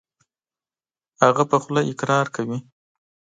هغه په خوله اقرار کوي .